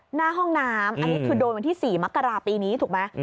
หน้าห้องน้ำอันนี้คือโดนวันที่๔มกราปีนี้ถูกไหม